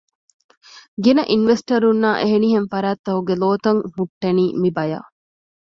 ގިނަ އިންވެސްޓަރުންނާއި އެހެނިހެން ފަރާތްތަކުގެ ލޯތައް ހުއްޓެނީ މިބަޔަށް